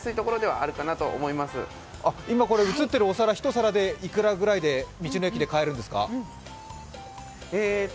今、映っているお皿１皿いくらぐらいで道の駅で買えるんですか？